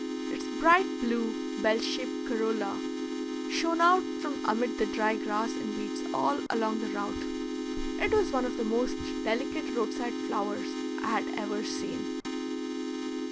Its bright blue, bell shaped corolla shone out from amid the dry grass and weeds all along the route. It was one of the most delicate roadside flowers I had ever seen.